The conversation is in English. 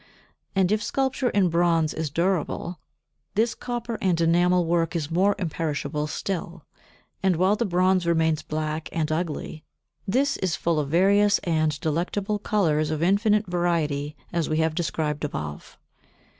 And if sculpture in bronze is durable, this copper and enamel work is more imperishable still; and while the bronze remains black and ugly, this is full of various and delectable colours of infinite variety, as we have described above.